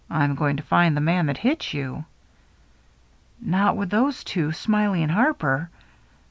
" I'm going to find the man that hit you." '* Not with those two. Smiley and Harper